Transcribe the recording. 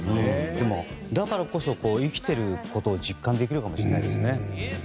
でも、だからこそ生きていることを実感できるかもしれないですね。